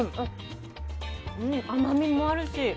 甘みもあるし。